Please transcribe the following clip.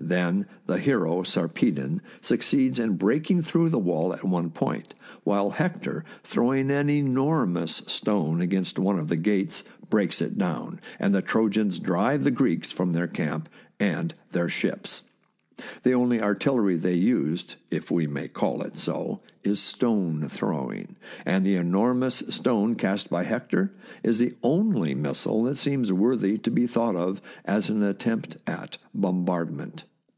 Then the hero, Sarpedon, succeeds in breaking through the wall at one point, while Hector, throw THE BOOK OF FAMOUS SIEGES ing an enormous stone against one of the gates, breaks it down, and the Trojans drive the Greeks from their camp and their ships. The only artillery they used, if we may call it so, is stone throwing, and the enormous stone cast by Hector is the only missile that seems worthy to be thought of as an attempt at bombardment.